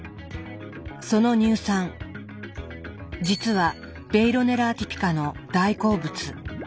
その乳酸実はベイロネラ・アティピカの大好物。